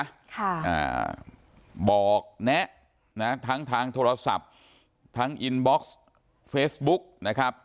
อ่าบอกแนะนะทั้งทางโทรศัพท์ทั้งอินบ็อกซ์เฟซบุ๊กนะครับ